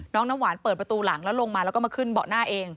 น้ำหวานเปิดประตูหลังแล้วลงมาแล้วก็มาขึ้นเบาะหน้าเอง